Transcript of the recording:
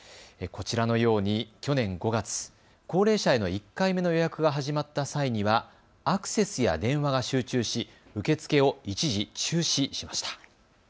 こちらのように去年５月、高齢者への１回目の予約が始まった際にはアクセスや電話が集中し受け付けを一時、中止しました。